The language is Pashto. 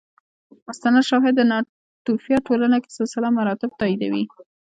مستند شواهد د ناتوفیا ټولنه کې سلسله مراتب تاییدوي